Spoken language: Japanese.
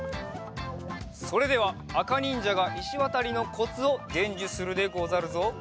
それではあかにんじゃが石渡りのコツをでんじゅするでござるぞ。